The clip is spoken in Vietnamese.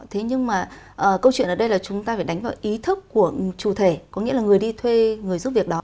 thế nhưng mà câu chuyện ở đây là chúng ta phải đánh vào ý thức của chủ thể có nghĩa là người đi thuê người giúp việc đó